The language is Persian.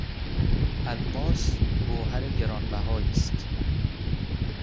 الماس گوهر گرانبهایی است.